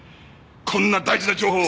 こんな大事な情報を！